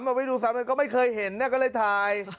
เอาไว้ดูซ้ำก็ไม่เคยเห็นก็เลยถ่าย